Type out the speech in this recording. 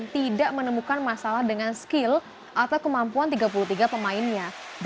tidak menemukan masalah dengan skill atau kemampuan tiga puluh tiga pemainnya